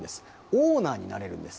オーナーになれるんです。